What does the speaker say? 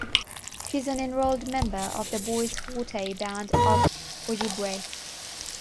She is an enrolled member of the Bois Forte Band of Ojibwe.